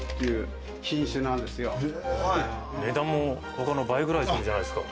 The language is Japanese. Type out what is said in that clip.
値段も他の倍ぐらいするじゃないですか。